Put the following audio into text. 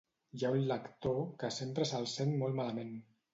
Hi ha un lector que sempre se'l sent molt malament